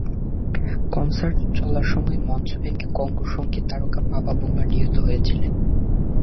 Concert চলার সময়ে মঞ্চ ভেঙে কঙ্গোর সংগীত তারকা পাপা বেম্বা নিহত হয়েছেন।